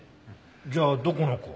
じゃあどこの子？